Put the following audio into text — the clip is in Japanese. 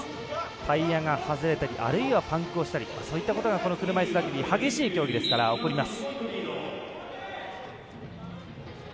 タイヤが外れるあるいはパンクをしたりと車いすラグビー激しい競技ですから起こります。